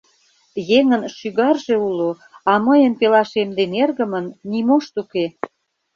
Еҥын шӱгарже уло, а мыйын пелашем ден эргымын нимошт уке.